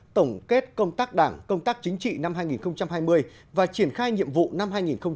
tổng kết công tác đảng công tác chính trị năm hai nghìn hai mươi và triển khai nhiệm vụ năm hai nghìn hai mươi một